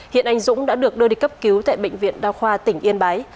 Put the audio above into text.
hiện anh dũng đã được đưa đi cấp cứu tại bệnh viện đa khoa tỉnh yên bái